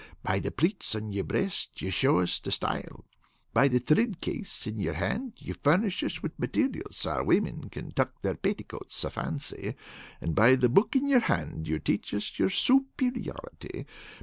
By the pleats on your breast you show us the style. By the thrid case in your hand you furnish us material so that our women can tuck their petticoats so fancy, and by the book in your head you teach us your sooperiority.